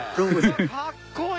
かっこいい！